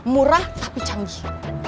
murah tapi canggih